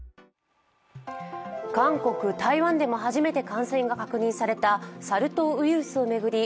韓国、台湾でも初めて感染が確認されたサル痘ウイルスを巡り